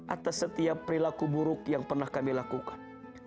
atas setiap perilaku buruk yang pernah kami lakukan